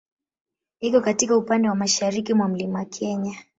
Iko katika upande wa mashariki mwa Mlima Kenya.